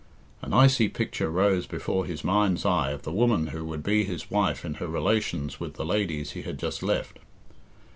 An icy picture rose before his mind's eye of the woman who would be his wife in her relations with the ladies he had just left.